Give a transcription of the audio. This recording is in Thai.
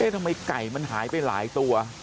ทำไมไก่มันหายไปหลายตัว